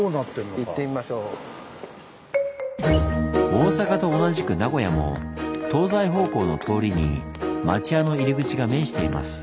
大坂と同じく名古屋も東西方向の通りに町屋の入り口が面しています。